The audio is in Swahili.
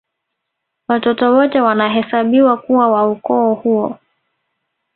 Watoto wote wanahesabiwa kuwa wa ukoo huo